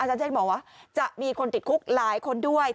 อาจารย์ชัดเจนบอกว่าจะมีคนติดคุกหลายคนด้วย